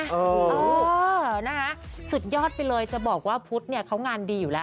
เออนะคะสุดยอดไปเลยจะบอกว่าพุทธเนี่ยเขางานดีอยู่แล้ว